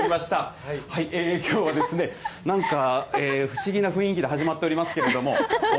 きょうは、なんか不思議な雰囲気で始まっておりますけれども。